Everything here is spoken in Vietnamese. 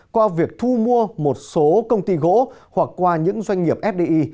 qua việc thu mua một số công ty gỗ hoặc qua những doanh nghiệp fdi